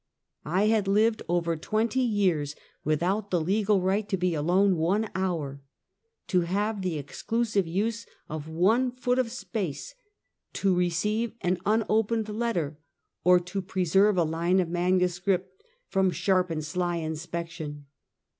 I had lived over twenty years without the legal right to be alone one hour — to have the exclusive use of one foot of space — to receive an unopened letter, or to pre serve a line of manuscript *' From sharp and sly inspection."